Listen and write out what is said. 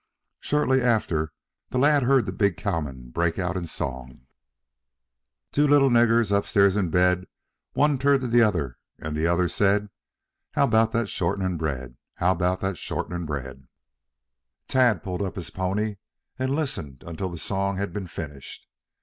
Shortly after the lad heard the big cowman break out in song: "Two little niggers upstairs in bed, One turned ober to de oder an' said, How 'bout dat short'nin' bread, How 'bout dat short'nin' bread?" Tad pulled up his pony and listened until the song had been finished.